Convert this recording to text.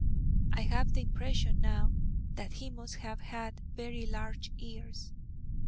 I have the impression now that he must have had very large ears.